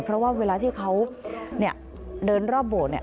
เพราะว่าเวลาที่เขาเดินรอบบนี้